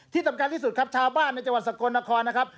ที่สำคัญที่สุดครับชาวบ้านในจังหวัดสกลนครนะครับ